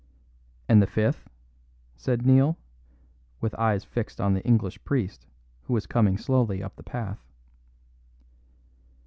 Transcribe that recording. "And the fifth," said Neil, with eyes fixed on the English priest who was coming slowly up the path.